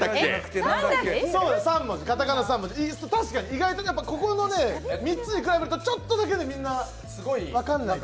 意外とここの３つに比べるとちょっとだけみんな分かんない。